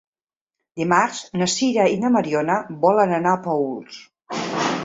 Dimarts na Sira i na Mariona volen anar a Paüls.